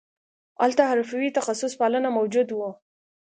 هلته حرفوي تخصص پالنه موجود وو